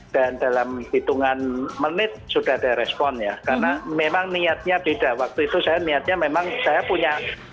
dan dalam hitungan menit sudah ada respon ya karena memang niatnya beda waktu itu saya niatnya memang saya punya